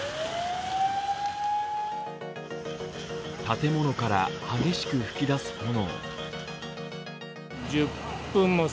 建物から激しく噴き出す炎。